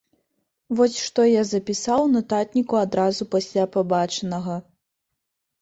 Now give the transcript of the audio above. Вось што я запісаў у нататніку адразу пасля пабачанага.